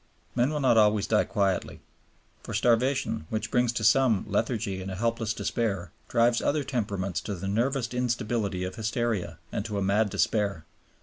Men will not always die quietly. For starvation, which brings to some lethargy and a helpless despair, drives other temperaments to the nervous instability of hysteria and to a mad despair.